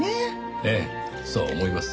ええそう思います。